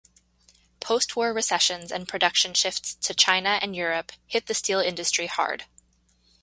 Post-war recessions and production shifts to China and Europe hit the steel industry hard.